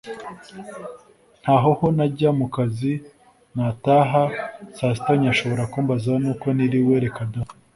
ntahoho najya mu kazi nlqtaha saa sita nyashobora kumbaza nuko niriwe reka daaa